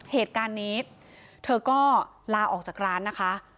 เหตุการณ์นี้เธอก็ลาออกจากร้านนะคะ